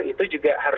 itu juga harus